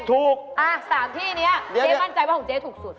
ถูก๓ที่นี้เจ๊มั่นใจว่าของเจ๊ถูกสุด